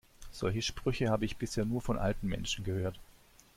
Solche Sprüche habe ich bisher nur von alten Menschen gehört.